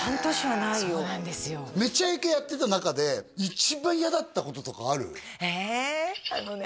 早いね「めちゃイケ」やってた中で一番嫌だったこととかある？